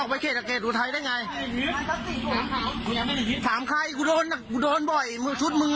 ออกไปเขตอเกตุไทยได้ไงถามใครกูโดนอ่ะกูโดนบ่อยชุดมึงอ่ะ